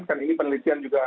kan ini penelitian juga